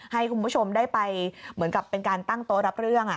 ให้คุณผู้ชมได้ไปเหมือนกับเป็นการตั้งโต๊ะรับเรื่อง